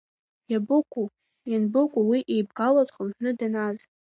Иабыкәу, ианбыкәу уи еибгала дхынҳәны данааз?